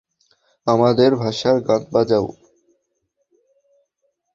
আমাদের ভাষার গান বাজাও।